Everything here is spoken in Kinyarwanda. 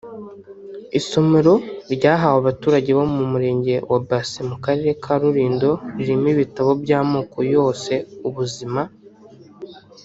Isomero ryahawe abaturage bo mu Murenge wa Base mu Karere ka Rulindo ririmo ibitabo by’amoko yose ubuzima